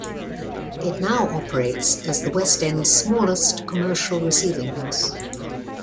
It now operates as the West End's smallest commercial receiving house.